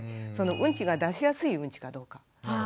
うんちが出しやすいうんちかどうか。